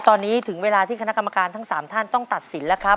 ตอนนี้ถึงเวลาที่คณะกรรมการทั้ง๓ท่านต้องตัดสินแล้วครับ